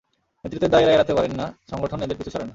নেতৃত্বের দায় এঁরা এড়াতে পারেন না, সংগঠন এঁদের পিছু ছাড়ে না।